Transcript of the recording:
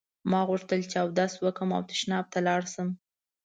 ما غوښتل چې اودس وکړم او تشناب ته لاړ شم.